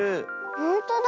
ほんとだ。